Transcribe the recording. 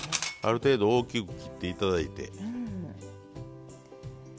ある程度大きく切って頂いて。